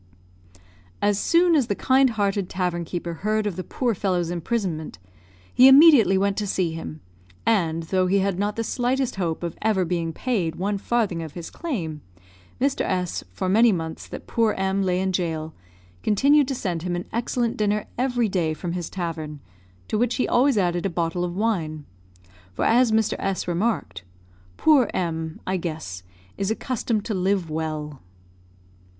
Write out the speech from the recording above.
As soon as the kind hearted tavern keeper heard of the poor fellow's imprisonment, he immediately went to see him, and, though he had not the slightest hope of ever being paid one farthing of his claim, Mr. S , for many months that poor M lay in gaol, continued to send him an excellent dinner every day from his tavern, to which he always added a bottle of wine; for as Mr. S remarked, "Poor M , I guess, is accustomed to live well."